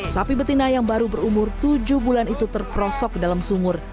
sapi betina yang baru berumur tujuh bulan itu terperosok ke dalam sumur